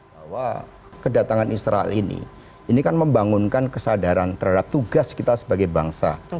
bahwa kedatangan israel ini ini kan membangunkan kesadaran terhadap tugas kita sebagai bangsa